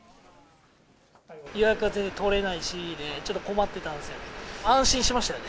予約は全然取れないしで、ちょっと困ってたんですよね。